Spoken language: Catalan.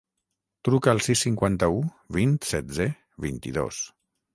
Truca al sis, cinquanta-u, vint, setze, vint-i-dos.